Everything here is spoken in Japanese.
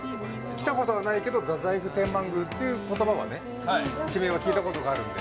来たことはないけど太宰府天満宮っていう地名は聞いたことがあるんで。